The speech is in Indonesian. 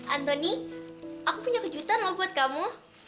anthony aku punya kejutan mau buat kamu